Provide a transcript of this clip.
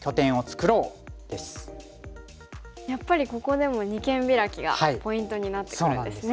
やっぱりここでも二間ビラキがポイントになってくるんですね。